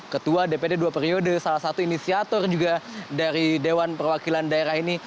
ketua dpd dua periode salah satu inisiator juga dari dewan perwakilan daerah ini